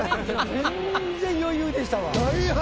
全然余裕でしたわ。